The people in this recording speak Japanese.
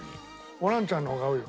ホランちゃんの方が合うよ。